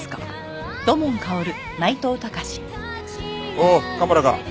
おう蒲原か。